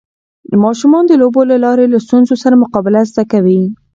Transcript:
ماشومان د لوبو له لارې له ستونزو سره مقابله زده کوي.